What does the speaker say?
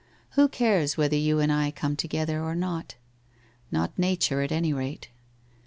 Who cares whether you and I come together or not ? Not nature, at any rate